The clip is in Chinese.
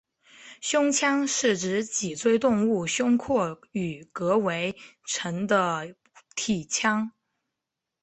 胸腔是指脊椎动物胸廓与膈围成的体腔。